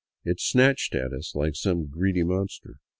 It snatched at us like some greedy monster.